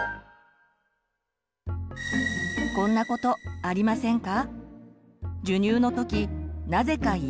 こんなことありませんか？